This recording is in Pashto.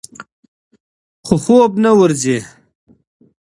خو خوب نه ورځي.